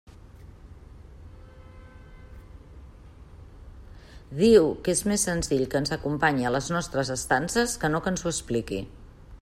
Diu que és més senzill que ens acompanyi a les nostres estances que no que ens ho expliqui.